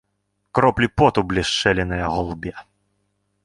Кроплі поту блішчэлі на яго лбе.